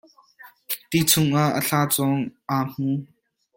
Ti chungah a thlacawng aa hmu.